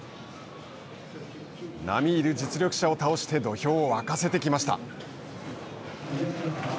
並みいる実力者を倒して土俵を沸かせてきました。